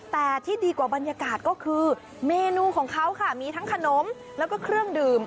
แต่ที่ดีกว่าบรรยากาศก็คือเมนูของเขาค่ะมีทั้งขนมแล้วก็เครื่องดื่ม